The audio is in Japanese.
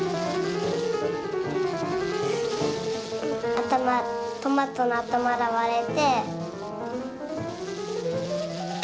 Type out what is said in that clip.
あたまトマトのあたまがわれて。